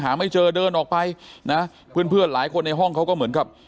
ไม่เจอเดินออกไปนะเพื่อนเพื่อนหลายคนในห้องเขาก็เหมือนกับ